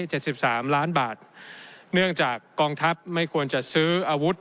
สิบสามล้านบาทเนื่องจากกองทัพไม่ควรจะซื้ออาวุธ